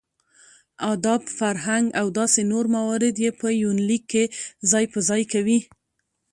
اداب ،فرهنګ او داسې نور موارد يې په يونليک کې ځاى په ځاى کوي .